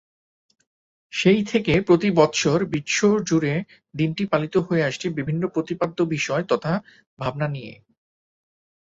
সেই থেকে প্রতি বৎসর বিশ্ব জুড়ে দিনটি পালিত হয়ে আসছে বিভিন্ন প্রতিপাদ্য বিষয় তথা ভাবনা নিয়ে।